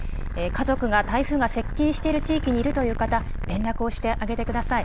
家族が台風が接近している地域にいるという方、連絡をしてあげてください。